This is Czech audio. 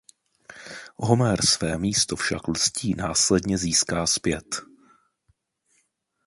Homer své místo však lstí následně získá zpět.